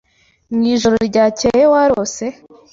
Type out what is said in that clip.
Mwijoro ryakeye warose?